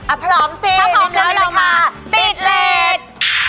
พร้อมสิถ้าพร้อมแล้วเรามาติดเลส